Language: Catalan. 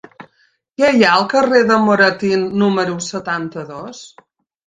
Què hi ha al carrer de Moratín número setanta-dos?